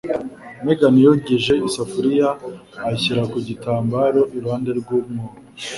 Megan yogeje isafuriya ayishyira ku gitambaro iruhande rw'umwobo.